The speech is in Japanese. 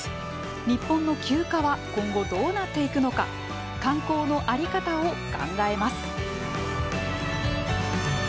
日本の休暇は今後どうなっていくのか観光の在り方を考えます。